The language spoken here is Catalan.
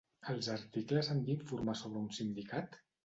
Els articles han d'informar sobre un sindicat?